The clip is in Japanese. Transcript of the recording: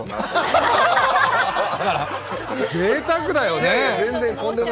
ぜいたくだよね。